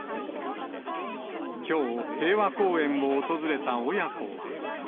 きょう、平和公園を訪れた親子は。